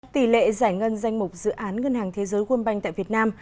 tỷ lệ giải ngân danh mục dự án ngân hàng thế giới quân banh tại việt nam